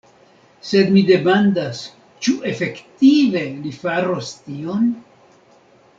Sed mi demandas ĉu efektive li faros tion?